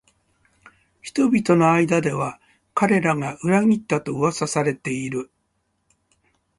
人々の間では彼らが裏切ったと噂されている